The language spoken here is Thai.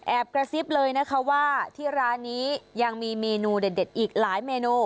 กระซิบเลยนะคะว่าที่ร้านนี้ยังมีเมนูเด็ดอีกหลายเมนู